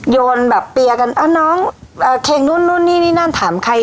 โยนแบบเปียกันน้องเพลงนู่นนู่นนี่นี่นั่นถามใคร